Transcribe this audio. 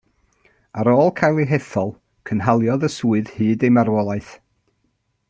Ar ôl cael ei hethol, cynhaliodd y swydd hyd ei marwolaeth.